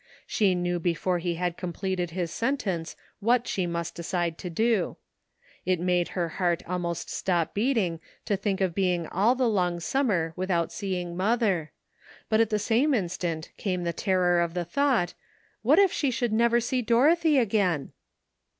She knew before he had completed his sentence what she must decide to do. It made her heart almost stop beating to think of being all the long summer without seeing mother ; but at the same instant came the terror of the thought, What if she should never see Dorothy again